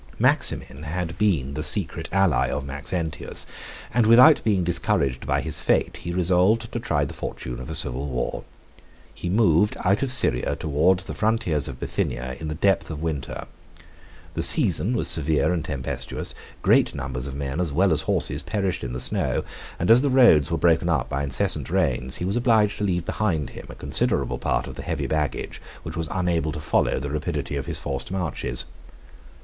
Maximin had been the secret ally of Maxentius, and without being discouraged by his fate, he resolved to try the fortune of a civil war. He moved out of Syria, towards the frontiers of Bithynia, in the depth of winter. The season was severe and tempestuous; great numbers of men as well as horses perished in the snow; and as the roads were broken up by incessant rains, he was obliged to leave behind him a considerable part of the heavy baggage, which was unable to follow the rapidity of his forced marches.